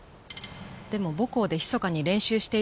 でも母校でひそかに練習していたという。